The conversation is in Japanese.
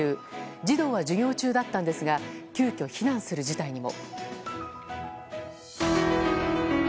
児童は授業中だったんですが急きょ避難する事態にも。